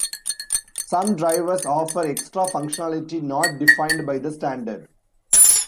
Some drivers offer extra functionality not defined by the standard.